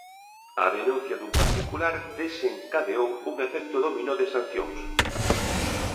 A denuncia dun particular desencadeou un efecto dominó de sancións.